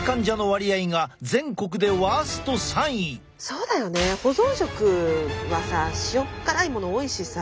そうだよね保存食はさ塩っ辛いもの多いしさ。